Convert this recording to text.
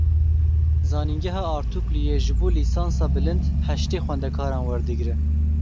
Zanîngeha Artûklûyê ji bo lîsansa bilind heştê xwendekaran werdigre.